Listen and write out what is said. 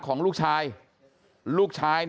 ของลูกชายลูกชาย